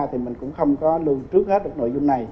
thì mình cũng không có lương trước hết được nội dung này